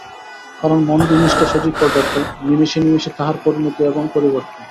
কারণ, মন জিনিসটা সজীব পদার্থ, নিমেষে নিমেষে তাহার পরিণতি এবং পরিবর্তন।